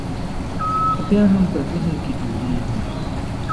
خو بیا هم په ذهن کې جوړېږي.